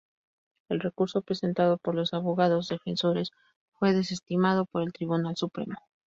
El recurso presentado por los abogados defensores fue desestimado por el Tribunal Supremo.